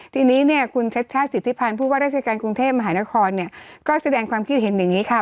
ทีนี้เนี่ยคุณชัชชาติสิทธิพันธ์ผู้ว่าราชการกรุงเทพมหานครเนี่ยก็แสดงความคิดเห็นอย่างนี้ค่ะ